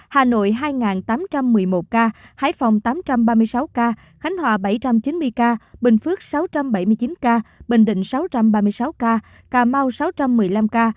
hà nội hai tám trăm một mươi một ca hải phòng tám trăm ba mươi sáu ca khánh hòa bảy trăm chín mươi ca bình phước sáu trăm bảy mươi chín ca bình định sáu trăm ba mươi sáu ca cà mau sáu trăm một mươi năm ca